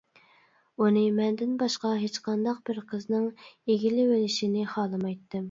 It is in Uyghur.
ئۇنى مەندىن باشقا ھېچقانداق بىر قىزنىڭ ئىگىلىۋېلىشىنى خالىمايتتىم.